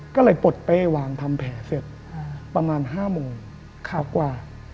ก็เลยปลดเป้วางทำแผลเสร็จประมาณ๕โมงขาวกว่า